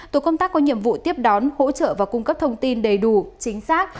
tổ công tác có nhiệm vụ tiếp đón hỗ trợ và cung cấp thông tin đầy đủ chính xác